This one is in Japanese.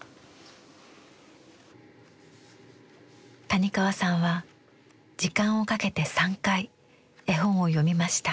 谷川さんは時間をかけて３回絵本を読みました。